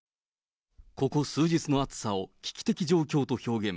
ここ数日の暑さを、危機的状況と表現。